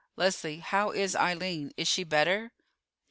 Leslie, how is Eileen? Is she better?"